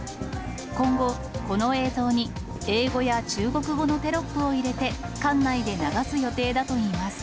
今後、この映像に、英語や中国語のテロップを入れて、館内で流す予定だといいます。